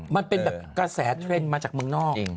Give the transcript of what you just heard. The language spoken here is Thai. มันเป็นแบบกระแสเทรนด์มาจากเมืองนอก